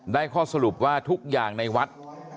ข้อสรุปว่าทุกอย่างในวัด